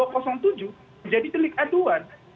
menjadi delik aduan